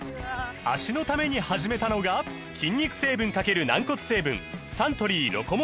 脚のために始めたのが筋肉成分×軟骨成分サントリー「ロコモア」です